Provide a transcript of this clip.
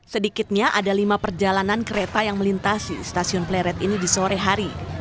sedikitnya ada lima perjalanan kereta yang melintasi stasiun pleret ini di sore hari